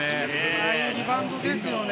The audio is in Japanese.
ああいうリバウンドですよね。